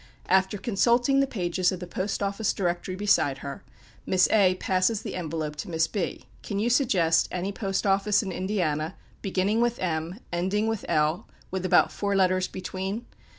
After consulting the pages of the Post office Directory beside her, Miss A passes the envelope to Miss B. "Can you suggest any post office in Indiana beginning with M, ending with L, with about four letters between?"